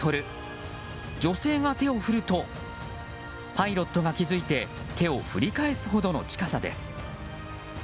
女性が手を振るとパイロットが気づいて手を振り返すほどの近さです。